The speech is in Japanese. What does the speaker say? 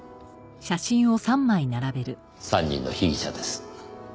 ３人の被疑者です。